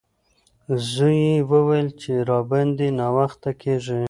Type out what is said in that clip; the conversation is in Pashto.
زوی یې وویل چې راباندې ناوخته کیږي.